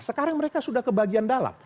sekarang mereka sudah ke bagian dalam